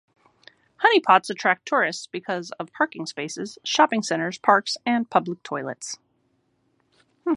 Honeypots attract tourists because of parking spaces, shopping centres, parks and public toilets.